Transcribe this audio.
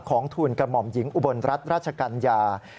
ทูลกระหม่อมหญิงอุบลรัฐราชกัญญา